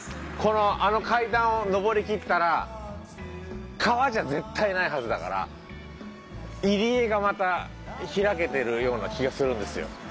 あの階段を上りきったら川じゃ絶対ないはずだから入り江がまた開けてるような気がするんですよ。